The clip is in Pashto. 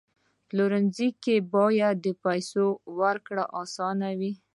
په پلورنځي کې باید د پیسو ورکړه اسانه وي.